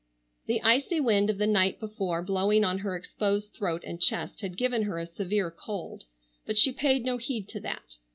The icy wind of the night before blowing on her exposed throat and chest had given her a severe cold, but she paid no heed to that.